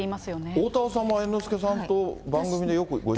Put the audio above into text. おおたわさんも猿之助さんと番組でよくご一緒に？